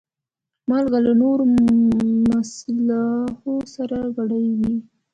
مالګه له نورو مصالحو سره ګډېږي.